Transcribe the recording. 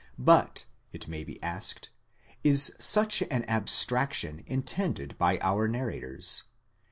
But, it may be asked, is such an abstraction in tended by our narrators?